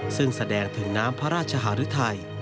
ซึ่งแสดงถึงน้ำพระราชหารุทัย